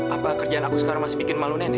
apa kerjaan aku sekarang masih bikin malu nenek